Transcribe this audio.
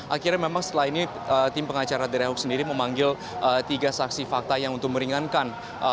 akhirnya memang setelah ini tim pengacara dari ahok sendiri memanggil tiga saksi fakta yang untuk meringankan